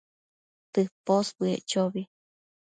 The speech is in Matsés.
tëposbëec chobi